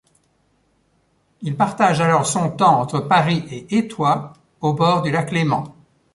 Il partage alors son temps entre Paris et Étoy, au bord du lac Léman.